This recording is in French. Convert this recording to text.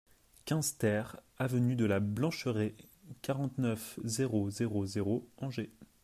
quinze TER aVENUE DE LA BLANCHERAIE, quarante-neuf, zéro zéro zéro, Angers